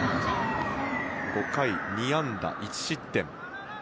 ５回２安打１失点。